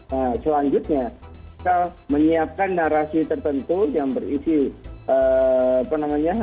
nah selanjutnya kita menyiapkan narasi tertentu yang berisi apa namanya